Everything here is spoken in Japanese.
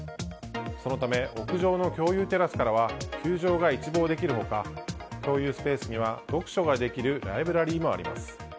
そのため屋上の共有テラスからは球場が一望できる他共有スペースには読書ができるライブラリーもあります。